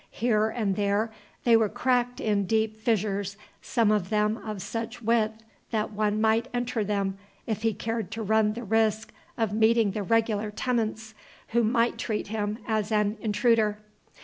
Here and there they were cracked in deep fissures, some of them of such width that one might enter them, if he cared to run the risk of meeting the regular tenants, who might treat him as an intruder.